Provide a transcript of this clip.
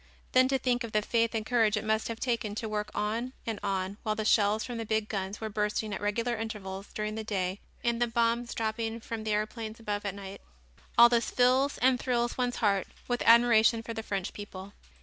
Then to think of the faith and courage it must have taken to work on and on while the shells from the big guns were bursting at regular intervals during the day and the bombs dropping from the aeroplanes above at night; all this fills and thrills one's heart with admiration for the French people.